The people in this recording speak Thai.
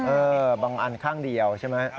บางอันข้างเดียวใช่ไหม